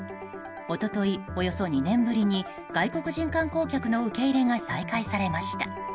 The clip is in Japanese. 一昨日、およそ２年ぶりに外国人観光客の受け入れが再開されました。